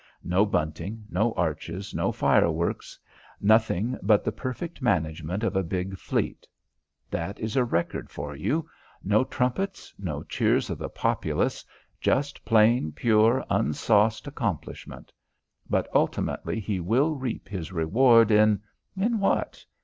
No bunting, no arches, no fireworks; nothing but the perfect management of a big fleet. That is a record for you. No trumpets, no cheers of the populace. Just plain, pure, unsauced accomplishment. But ultimately he will reap his reward in in what?